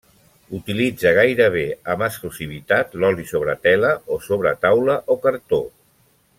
Utilitzà gairebé amb exclusivitat l’oli sobre tela o sobre taula o cartó.